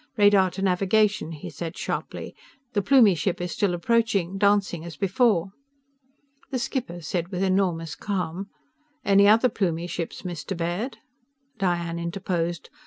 "Radar to navigation!" he said sharply. "The Plumie ship is still approaching, dancing as before!" The skipper said with enormous calm: "Any other Plumie ships, Mr. Baird?" Diane interposed.